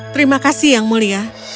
terima kasih yang mulia